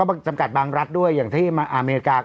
และก็ตำรรติบางรัฐด้วยอย่างที่อเมริกา